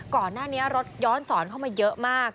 ก่อนหน้านี้รถย้อนสอนเข้ามาเยอะมาก